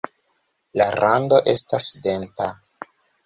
La rando estas denta.